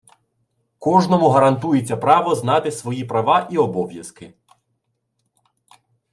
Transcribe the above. Кожному гарантується право знати свої права і обов'язки